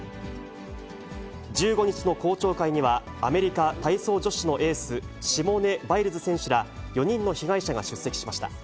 １５日の公聴会には、アメリカ体操女子のエース、シモーネ・バイルズ選手ら４人の被害者が出席しました。